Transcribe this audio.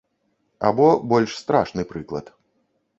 Або больш страшны прыклад.